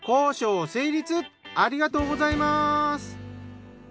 ありがとうございます。